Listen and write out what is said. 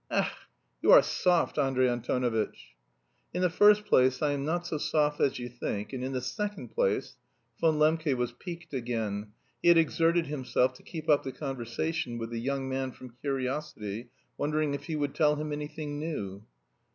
"Ech, you are soft, Andrey Antonovitch!" "In the first place, I am not so soft as you think, and in the second place..." Von Lembke was piqued again. He had exerted himself to keep up the conversation with the young man from curiosity, wondering if he would tell him anything new.